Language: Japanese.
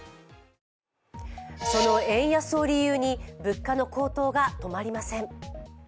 その円安を理由に物価の高騰が止まりません。